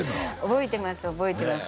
覚えてます覚えてます